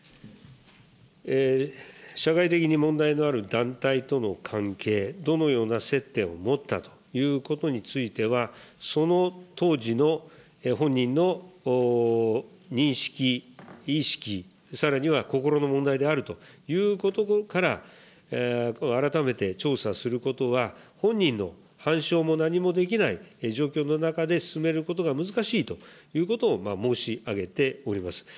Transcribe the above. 社会的に問題のある団体との関係、どのような接点を持ったということについては、その当時の本人の認識、意識、さらには心の問題であるということから、改めて調査することは、本人の反証も何もできない状況の中で進めることが難しいということを申し上げております。